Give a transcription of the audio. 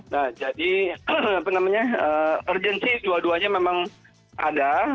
nah jadi urgency dua duanya memang ada